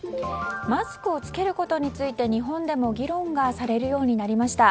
マスクを着けることについて日本でも議論がされるようになりました。